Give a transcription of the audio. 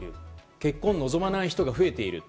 結婚を望まない人が増えている。